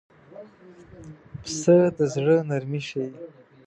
پسه د زړه نرمي ښيي.